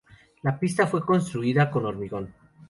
La pista fue construida con hormigón.